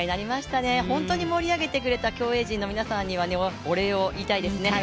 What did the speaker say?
本当に盛り上げてくれた競泳陣の皆さんにはお礼を言いたいですね。